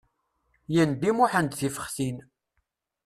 Yendi Muḥend tifexxtin.